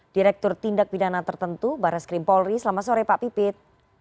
direktur tindak pidana tertentu barres krim polri selamat sore pak pipit